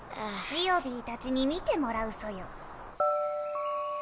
ジオビーたちに見てもらうソヨ。